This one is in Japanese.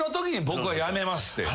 「僕は辞めます」って。